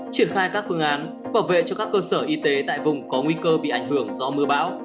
triển khai các phương án bảo vệ cho các cơ sở y tế tại vùng có nguy cơ bị ảnh hưởng do mưa bão